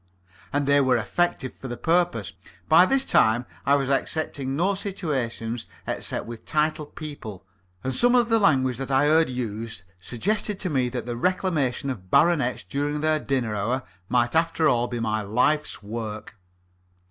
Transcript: And they were effective for their purpose. By this time I was accepting no situations except with titled people; and some of the language that I heard used suggested to me that the reclamation of baronets during their dinner hour might after all be my life's work.